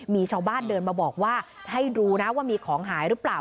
มีชาวบ้านเดินมาบอกว่าให้ดูนะว่ามีของหายหรือเปล่า